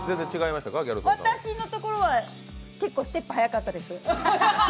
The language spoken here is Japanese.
私のところは、結構ステップ早かったです。